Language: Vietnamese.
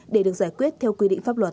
để được giải quyết theo quy định pháp luật